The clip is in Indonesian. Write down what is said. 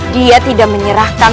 dia tidak menyerahkan